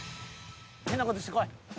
変な事してこい！